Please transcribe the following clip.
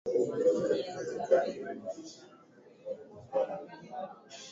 Mziki huu hauimbwi zanzibari pekee upo karibu pwani yote ya afrika mashariki